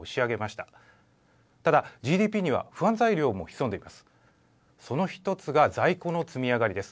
ただ、ＧＤＰには不安材料も潜んでいます。